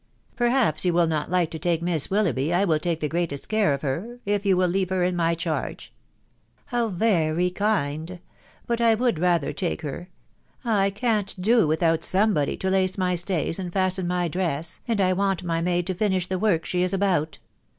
cc Perhaps you will not like to take Miss Willoughby .... I will take the greatest care of her, if you will leave her in my charge." " How very kind !.... But I would rather take her ... I can't do without somebody to lace my stays and fasten my dress, and I want my maid to finish the work she is about.